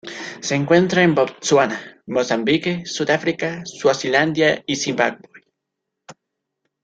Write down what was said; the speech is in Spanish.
Se encuentra en Botsuana, Mozambique, Sudáfrica, Suazilandia y Zimbabue.